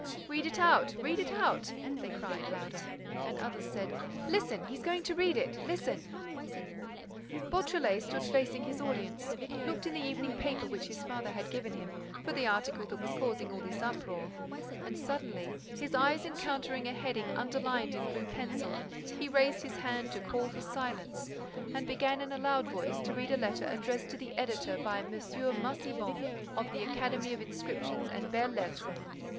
"Read it out! Read it out!" they cried, louder. And others said: "Listen! He's going to read it! Listen!" Beautrelet stood facing his audience, looked in the evening paper which his father had given him for the article that was causing all this uproar and, suddenly, his eyes encountering a heading underlined in blue pencil, he raised his hand to call for silence and began in a loud voice to read a letter addressed to the editor by M. Massiban, of the Academy of Inscriptions and Belles Lettres.